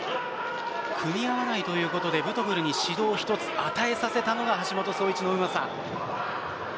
組み合わないということでブトブルに指導を１つ与えさせたのが橋本壮市のうまさ。